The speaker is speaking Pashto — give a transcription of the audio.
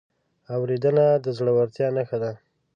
اورېدنه د زړورتیا نښه ده.